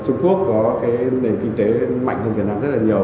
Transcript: trung quốc có cái nền kinh tế mạnh hơn việt nam rất là nhiều